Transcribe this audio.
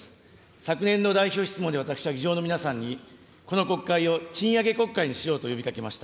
昨年の代表質問で、私は議場の皆さんに、この国会を賃上げ国会にしようと呼びかけました。